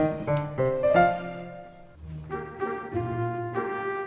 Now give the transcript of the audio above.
aku pergi dulu ya